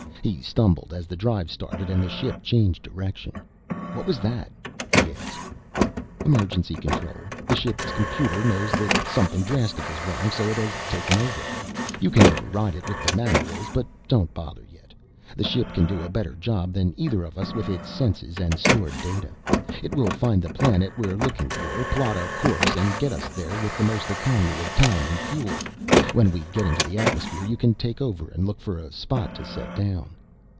He stumbled as the drive started and the ship changed direction. "What was that?" he asked. "Emergency control. The ship's computer knows that something drastic is wrong, so it has taken over. You can override it with the manuals, but don't bother yet. The ship can do a better job than either of us with its senses and stored data. It will find the planet we're looking for, plot a course and get us there with the most economy of time and fuel. When we get into the atmosphere you can take over and look for a spot to set down."